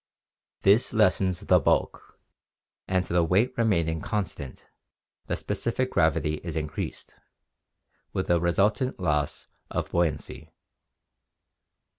This lessens the bulk, and the weight remaining constant, the specific gravity is increased, with a resultant loss of buoyancy.